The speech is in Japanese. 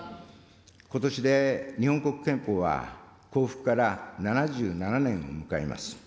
ことしで日本国憲法は公布から７７年を迎えます。